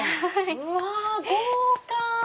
うわ豪華！